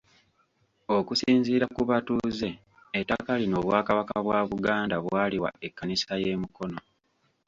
Okusinziira ku batuuze, ettaka lino Obwakabaka bwa Buganda bwe bwaliwa Ekkanisa y'e Mukono.